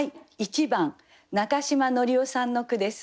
１番中島紀生さんの句です。